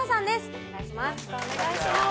お願いします